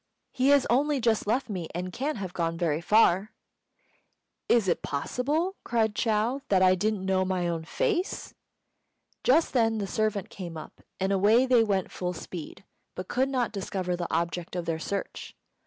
He has only just left me, and can't have got very far." "Is it possible," cried Chou, "that I didn't know my own face?" Just then the servant came up, and away they went full speed, but could not discover the object of their search.